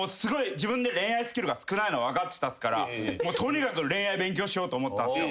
自分で恋愛スキルが少ないのは分かってたっすからとにかく恋愛を勉強しようと思ったんすよ。